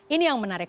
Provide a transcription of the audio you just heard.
ini yang menarik